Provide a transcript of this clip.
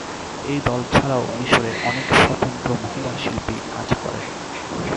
এ দল ছাড়াও মিশরে অনেক স্বতন্ত্র মহিলা শিল্পী কাজ করেন।